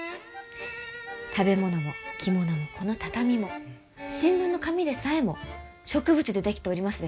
食べ物も着物もこの畳も新聞の紙でさえも植物で出来ておりますでしょう？